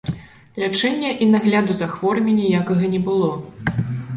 Лячэння і нагляду за хворымі ніякага не было.